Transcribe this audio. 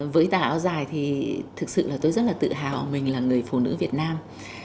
với tà áo dài thì thực sự là tôi rất là tự hào mình là người phụ nữ việt nam